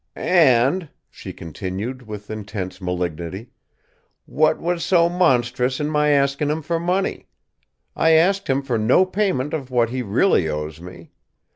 "And," she continued, with intense malignity, "what was so monstrous in my asking him for money? I asked him for no payment of what he really owes me.